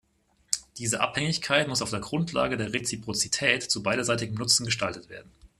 Diese Abhängigkeit muss auf der Grundlage der Reziprozität zu beiderseitigem Nutzen gestaltet werden.